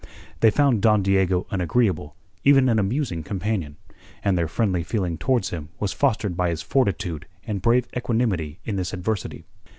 They found Don Diego an agreeable, even an amusing companion, and their friendly feeling towards him was fostered by his fortitude and brave equanimity in this adversity.